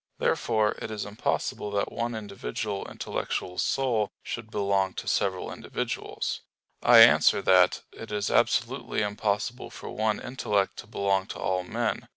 Therefore it is impossible that one individual intellectual soul should belong to several individuals. I answer that, It is absolutely impossible for one intellect to belong to all men.